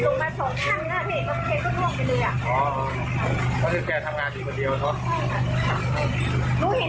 ที่แรงหนูที่รถเก็บมาจากเมียหนูก็เรียกเมียเก็บ๓รอบ